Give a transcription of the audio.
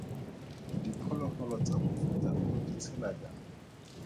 Diphologolo tsa mofuta o di tshela jang?